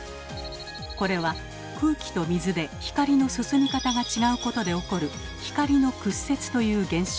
これは空気と水で光の進み方が違うことで起こる「光の屈折」という現象。